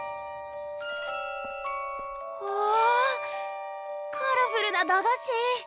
わあカラフルな駄菓子！